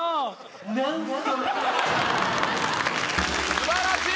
すばらしい！